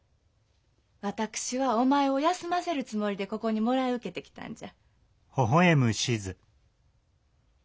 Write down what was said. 私はお前を休ませるつもりでここにもらい受けてきたんじゃ。